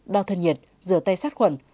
đo thân nhiệt rửa tay sát khuẩn